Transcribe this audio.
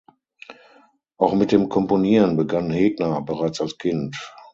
Auch mit dem Komponieren begann Hegner bereits als Kind.